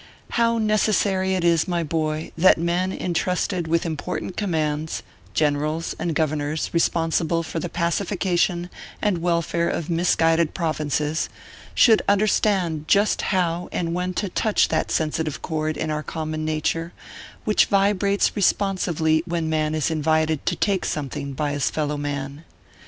How necessary it is, my boy, that men intrusted with important commands generals and governors responsible for the pacification and welfare of mis guided provinces should understand just how and when to touch that sensitive chord in our common nature which vibrates responsively when man is in vited to take something by his fellow man.